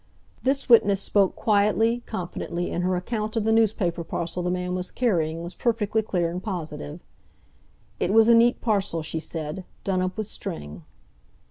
This witness spoke quietly, confidently, and her account of the newspaper parcel the man was carrying was perfectly clear and positive. "It was a neat parcel," she said, "done up with string."